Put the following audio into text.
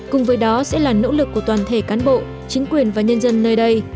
cùng với đó sẽ là nỗ lực của toàn thể cán bộ chính quyền và nhân dân nơi đây